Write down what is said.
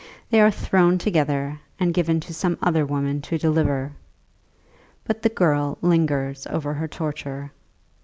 They are thrown together, and given to some other woman to deliver. But the girl lingers over her torture.